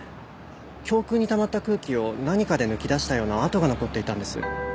胸腔にたまった空気を何かで抜き出したような跡が残っていたんです。